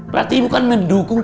berarti ibu kan mendukung